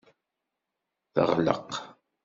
Teɣleq.